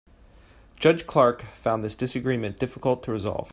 Judge Clark found this disagreement difficult to resolve.